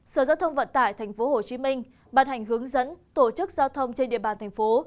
sở giao thông vận tải tp hcm bàn hành hướng dẫn tổ chức giao thông trên địa bàn thành phố